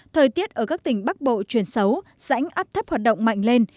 thời tiết ở các tỉnh bắc bộ chuyển xấu rãnh áp thấp hoạt động mạnh lên